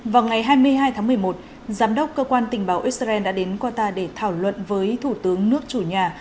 vào ngày hai mươi hai tháng một mươi một giám đốc cơ quan tình báo israel đã đến qatar để thảo luận với thủ tướng nước chủ nhà